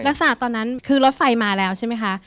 ลักษณะตอนนั้นคือรถไฟมาแล้วใช่ไหมคะ